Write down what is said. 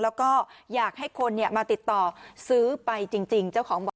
แล้วก็อยากให้คนเนี่ยมาติดต่อซื้อไปจริง